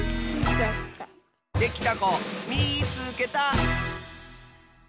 できたこみいつけた！